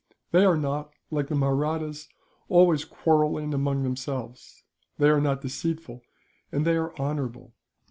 They are not, like the Mahrattas, always quarrelling among themselves; they are not deceitful, and they are honourable.